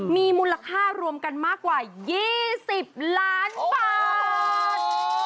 มีมูลค่ารวมกันมากกว่า๒๐ล้านบาท